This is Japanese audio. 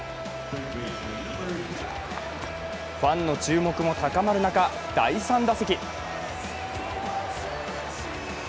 ファンの注目も高まる中、第３打席。